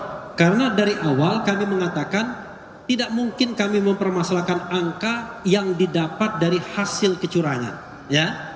ya karena dari awal kami mengatakan tidak mungkin kami mempermasalahkan angka yang didapat dari hasil kecurangan ya